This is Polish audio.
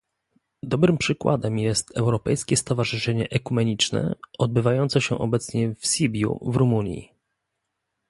Dobrym przykładem jest Europejskie Stowarzyszenie Ekumeniczne odbywające się obecnie w Sibiu w Rumunii